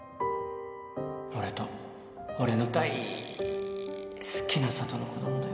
俺と俺の大好きな佐都の子供だよ